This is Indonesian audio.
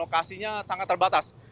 lokasinya sangat terbatas